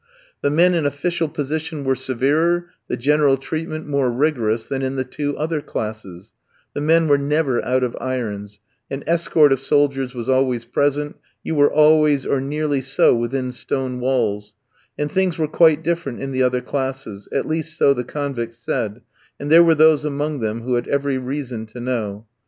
The men in official position were severer, the general treatment more rigorous than in the two other classes; the men were never out of irons, an escort of soldiers was always present, you were always, or nearly so, within stone walls; and things were quite different in the other classes, at least so the convicts said, and there were those among them who had every reason to know.